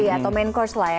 atau main course lah ya